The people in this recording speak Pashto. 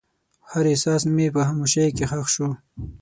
هر احساس مې په خاموشۍ کې ښخ شو.